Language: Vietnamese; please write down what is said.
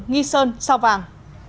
nghi sơn sao vàng